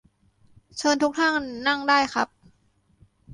เชิญทุกท่านนั่งได้ครับ